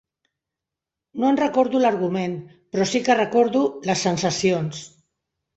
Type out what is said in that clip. No en recordo l'argument, però sí que recordo, les sensacions